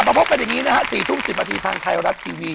กลับมาพบกันเป็นอย่างนี้นะฮะ๔ทุ่ม๑๐นทางไทยรับทีวี